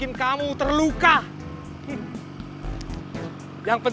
aku mau bawa lo ke bengkel